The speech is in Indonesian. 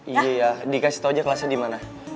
iya iya dikasih tau aja kelasnya dimana